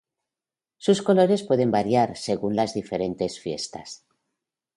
Sus colores pueden varias según las diferentes fiestas.